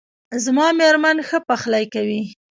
زما میرمن ښه پخلی کوي